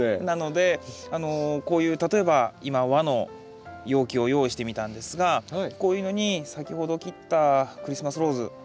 なのでこういう例えば今和の容器を用意してみたんですがこういうのに先ほど切ったクリスマスローズ